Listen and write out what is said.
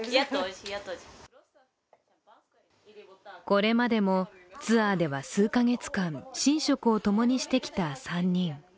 これまでもツアーでは数カ月間、寝食を共にしてきた３人。